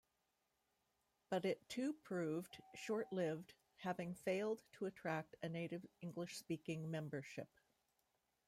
But it too proved short-lived, having failed to attract a native English-speaking membership.